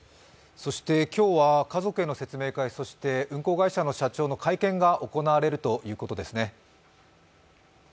今日は家族への説明会、運航会社の社長の会見が行われるということですね。